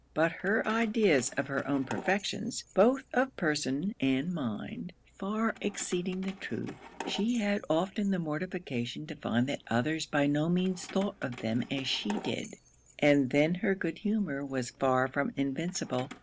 But her ideas of her own perfections, both of person and mind, far exceeding the truth, she had often the mortification to find that others by no means thought of them as she did; and then her good humour was far from invincible.